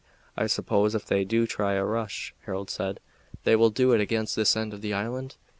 "I suppose if they do try a rush," Harold said, "they will do it against this end of the island?"